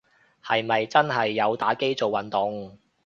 係咪真係有打機做運動